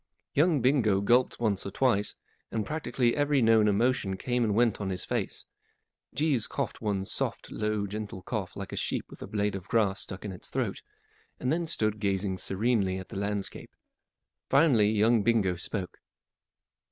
Young Bingo gulped once or twice, and prac¬ tically every known emotion came and went on his face. Jeeves coughed one soft, low, gentle cough like a sheep with a blade of grass stuck in its throat, and then stood gazing serenely at the landscape. Finally young Bingo spoke.